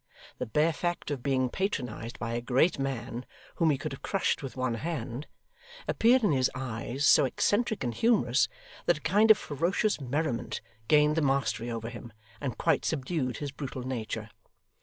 The bare fact of being patronised by a great man whom he could have crushed with one hand, appeared in his eyes so eccentric and humorous, that a kind of ferocious merriment gained the mastery over him, and quite subdued his brutal nature.